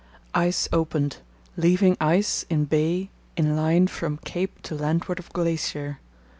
—Ice opened, leaving ice in bay in line from Cape to landward of glacier.